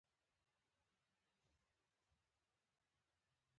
هغه زړه چې له ښکلا سره مینه لري هېڅکله نه زړیږي.